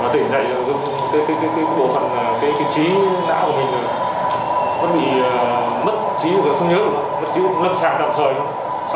tỉnh dậy bộ phần trí não của mình mất trí không nhớ được nữa mất trí cũng lâm sàng đạp thời thôi